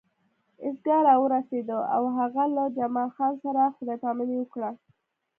ایستګاه راورسېده او هغه له جمال خان سره خدای پاماني وکړه